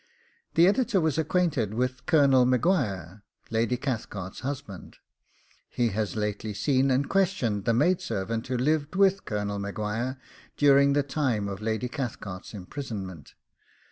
The editor was acquainted with Colonel M'Guire, Lady Cathcart's husband; he has lately seen and questioned the maid servant who lived with Colonel M'Guire during the time of Lady Cathcart's imprisonment.